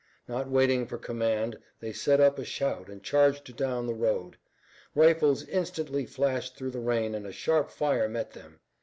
Not waiting for command they set up a shout and charged down the road. Rifles instantly flashed through the rain and a sharp fire met them.